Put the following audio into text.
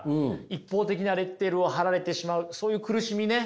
一方的なレッテルを貼られてしまうそういう苦しみね